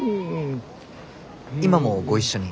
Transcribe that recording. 今もご一緒に？